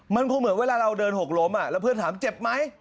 มันคงเหมือนเวลาเราเดินหกล้มแล้วเพื่อนถามเจ็บไหม